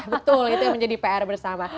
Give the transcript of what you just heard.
betul itu yang menjadi pr bersama